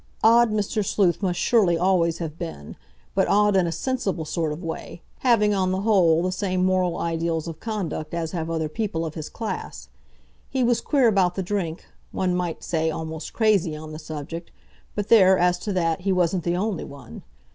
Odd Mr. Sleuth must surely always have been, but odd in a sensible sort of way, having on the whole the same moral ideals of conduct as have other people of his class. He was queer about the drink—one might say almost crazy on the subject—but there, as to that, he wasn't the only one!